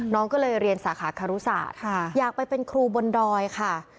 น้องก็เลยเรียนสาขาคารุศาสตร์อยากไปเป็นครูบนดอยค่ะ